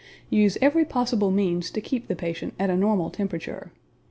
Use every possible means to keep the patient at a normal temperature.